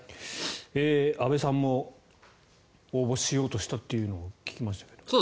安部さんも応募しようとしたというのを聞きましたけど。